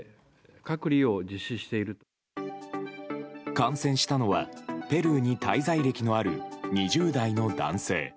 感染したのはペルーに滞在歴のある２０代の男性。